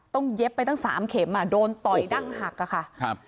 เย็บไปตั้งสามเข็มอ่ะโดนต่อยดั้งหักอะค่ะครับ